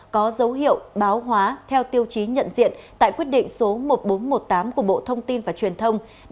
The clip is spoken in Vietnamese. có dấu hiệu báo hóa theo tiêu chí nhận diện tại quyết định số một nghìn bốn trăm một mươi tám của bộ thông tin và truyền thông